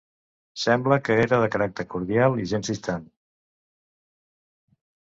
Sembla que era de caràcter cordial i gens distant.